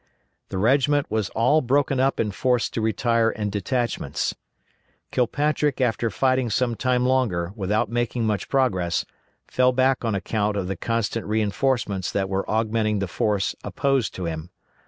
The regiment was all broken up and forced to retire in detachments. Kilpatrick after fighting some time longer without making much progress, fell back on account of the constant reinforcements that were augmenting the force opposed to him.